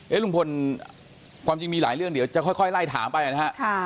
ลุงพลความจริงมีหลายเรื่องเดี๋ยวจะค่อยไล่ถามไปนะฮะ